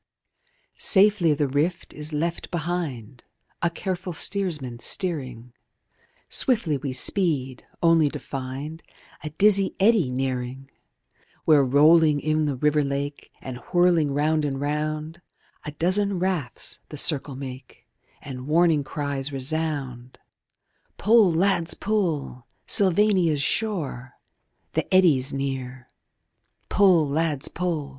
II Safely the Rift is left behind, A careful stearsman stearing; Swiftly we speed, only to find A dizzy eddy nearing, Where rolling in the river lake, And whirling round and round A dozen rafts the circle make, And warning cries resound: Pull, lads, pull! Sylvania's shore! The Eddy's near! Pull, lads, pull!